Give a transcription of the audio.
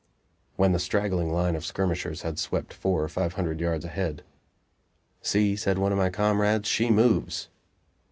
When the straggling line of skirmishers had swept four or five hundred yards ahead, "See," said one of my comrades, "she moves!"